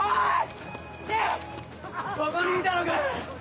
ここにいたのか！